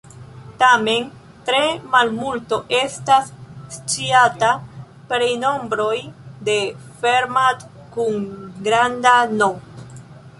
Tamen, tre malmulto estas sciata pri nombroj de Fermat kun granda "n".